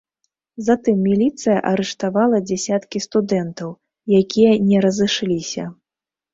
Затым міліцыя арыштавала дзясяткі студэнтаў, якія не разышліся.